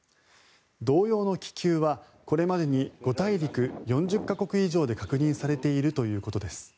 同様の気球はこれまでに５大陸４０か国以上で確認されているということです。